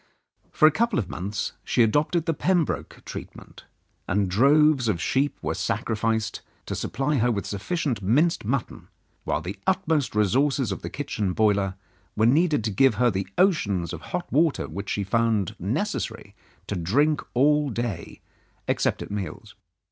For a couple of months she adopted the Pembroke treatment, and droves of sheep were sacrificed to supply her with sufficient minced mutton, while the utmost resources of the kitchen boiler were needed to give her the oceans of hot water which she found it necessary to drink all day except at meals.